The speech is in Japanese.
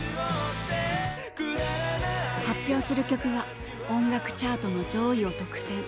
発表する曲は音楽チャートの上位を独占。